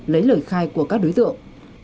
lấy lời khai của các đối tượng